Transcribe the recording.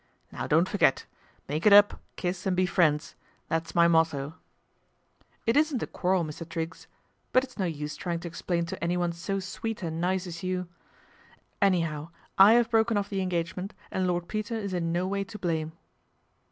Now don't forget. Make it up, kiss and be friends. That's my motto." " It isn't a quarrel, Mr. Triggs ; but it's no use trying to explain to anyone so sweet and nice as you. Anyhow, I have broken off the engagement, and Lord Peter is in no way to blame."